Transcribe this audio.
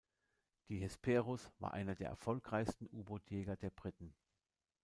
Die "Hesperus" war einer der erfolgreichsten U-Boot-Jäger der Briten.